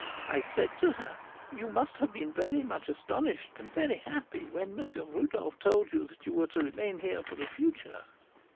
I said to her, 'You must have been much astonished, and very happy, when M. Rodolph told you that you were to remain here for the future?